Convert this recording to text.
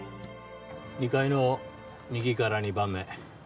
２階の右から２番目。